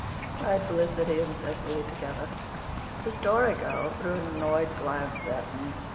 cried Felicity and Cecily together. The Story Girl threw an annoyed glance at me.